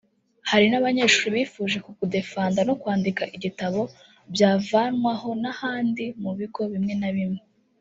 Hari n’abanyeshuri bifuje ko kudefanda no kwandika igitabo byavanwaho n’ahandi mu bigo bimwe na bimwe